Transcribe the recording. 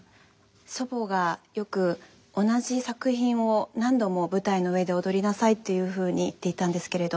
祖母がよく「同じ作品を何度も舞台の上で踊りなさい」っていうふうに言っていたんですけれど。